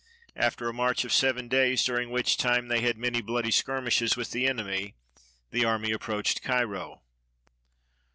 After a march of seven days, during which time they had many bloody skirmishes with the enemy, the army approached Cairo.